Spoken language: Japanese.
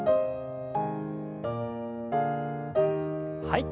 はい。